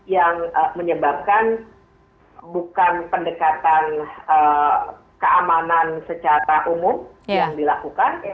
yang menyebabkan bukan pendekatan keamanan secara umum yang dilakukan